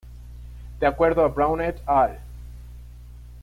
De acuerdo a Brown "et al.